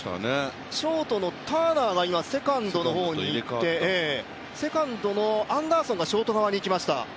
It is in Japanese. ショートのターナーがセカンドの方に行って、セカンドのアンダーソンがショート側に行きました。